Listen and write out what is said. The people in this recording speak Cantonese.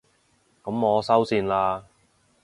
噉我收線喇